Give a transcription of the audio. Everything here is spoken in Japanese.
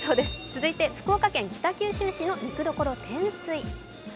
続いて、福岡県北九州市の肉処天穂。